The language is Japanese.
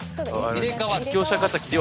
入れかわって。